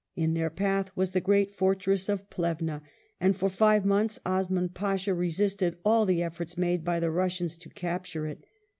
In their path was the great fortress of Plevna, and for five months Osman Pasha resisted all the efforts made by the Russians to capture it.